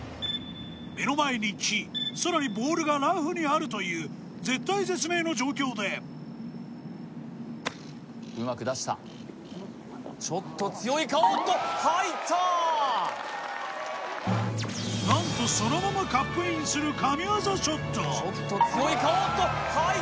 目の前に木、更にボールがラフにあるという絶体絶命の状況でなんと、そのままカップインする神技ショット。